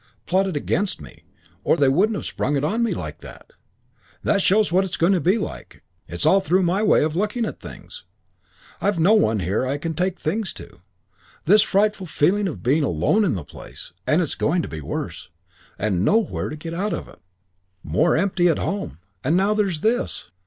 Plotted against me, or they wouldn't have sprung it on me like that. That shows what it's going to be like.... It's all through my way of looking at things.... I've no one here I can take things to. This frightful feeling of being alone in the place. And it's going to be worse. And nowhere to get out of it. More empty at home.... And now there's this.